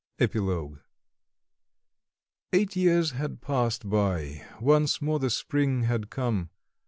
Epilogue Eight years had passed by. Once more the spring had come....